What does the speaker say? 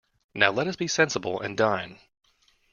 Now let us be sensible and dine.